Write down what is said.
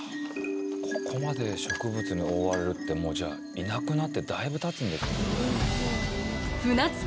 ここまで植物に覆われるってもうじゃあいなくなってだいぶたつんですね。